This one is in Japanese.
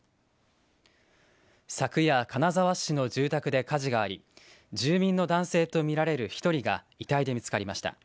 昨夜、金沢市の住宅で火事があり住民の男性と見られる１人が遺体で見つかりました。